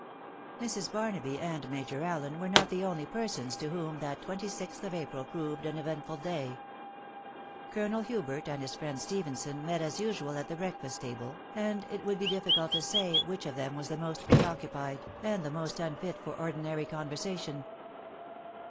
Mrs. Barnaby: and Major Allen were not the only persons Id whom that twenty sixth of April proved an eventful day. Colonel Hubert and his friend Stephenson met as usual at the breakfast table, and it would be difficult to aay which of them was the most pre occupied, and the most unfit for ordi nary conversation.